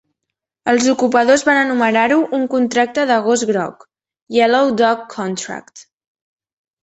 Els ocupadors van anomenar-ho un "contracte de gos groc" (yellow-dog contract).